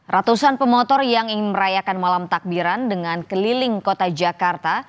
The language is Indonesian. ratusan pemotor yang ingin merayakan malam takbiran dengan keliling kota jakarta